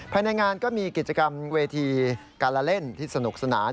ภายในงานก็มีกิจกรรมเวทีการละเล่นที่สนุกสนาน